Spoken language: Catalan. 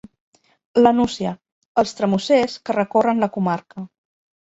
La Nucia: els tramussers, que recorren la comarca.